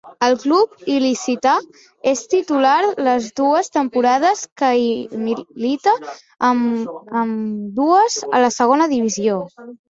Al club il·licità és titular les dues temporades que hi milita, ambdues a Segona Divisió.